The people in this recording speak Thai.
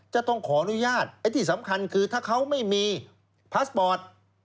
จะต้องขออนุญาตไอ้ที่สำคัญคือถ้าเขาไม่มีพาสปอร์ต